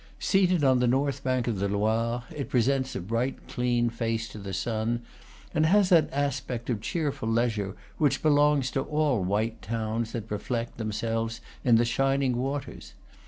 Seated on the north bank of the Loire, it presents a bright, clean face to the sun, and has that aspect of cheerful leisure which belongs to all white towns that reflect, themselves in shining waters.